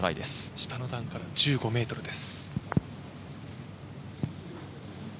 下の段から１５ｍです。